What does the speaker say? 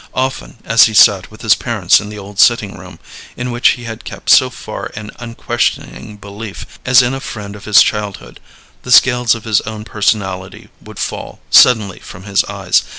Often, as he sat with his parents in the old sitting room, in which he had kept so far an unquestioning belief, as in a friend of his childhood, the scales of his own personality would fall suddenly from his eyes.